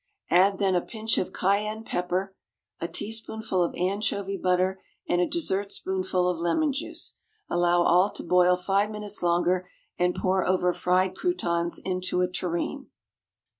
Add then a pinch of cayenne pepper, a teaspoonful of anchovy butter, and a dessert spoonful of lemon juice. Allow all to boil five minutes longer, and pour over fried croutons into a tureen.